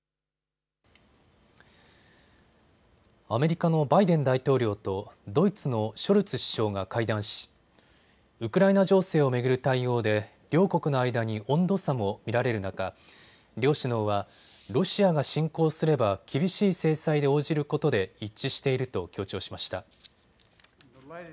アメリカのバイデン大統領とドイツのショルツ首相が会談しウクライナ情勢を巡る対応で両国の間に温度差も見られる中、両首脳はロシアが侵攻すれば厳しい制裁で応じることで一致していると強調しました。